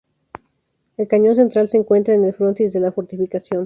El cañón central se encuentra en el frontis de la fortificación.